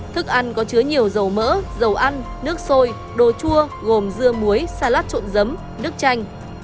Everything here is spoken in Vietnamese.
thức ăn có chứa nhiều dầu mỡ dầu ăn nước sôi đồ chua gồm dưa muối salad trộn giấm nước chanh